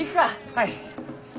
はい。